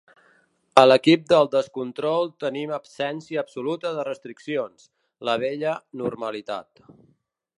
A l’equip del descontrol tenim absència absoluta de restriccions, la vella normalitat.